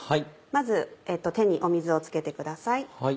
まず手に水を付けてください。